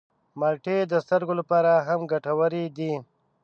مالټې د سترګو لپاره هم ګټورې دي.